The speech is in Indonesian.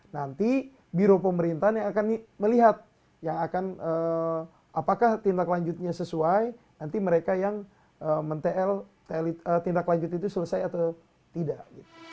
nanti biro pemerintahan yang akan melihat yang akan apakah tindak lanjutnya sesuai nanti mereka yang men tl tindak lanjut itu selesai atau tidak